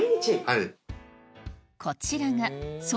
はい。